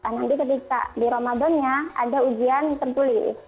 nanti ketika di ramadan nya ada ujian tertulis